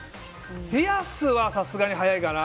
ピアスは、さすがに早いかな。